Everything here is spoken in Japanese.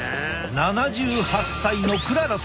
７８歳のクララさん。